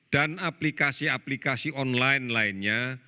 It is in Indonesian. dan aplikasi aplikasi online lainnya